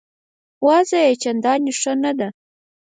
وضع یې چنداني ښه نه ده.